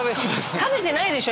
食べてないでしょ？